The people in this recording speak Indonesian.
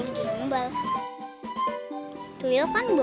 jadi juga dia bumbu bumbu